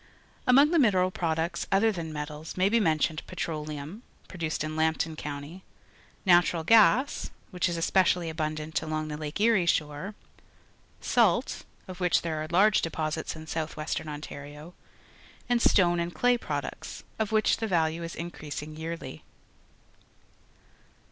Among the mineral products other than metals may be mentioned petroleum, pro duced in Lambton county ; natural gas, which is especially abundant along the Lake Erie shore; salt, of which there are large deposits in south western Ontario; and stone and clay products, of which the value is increasing yearly.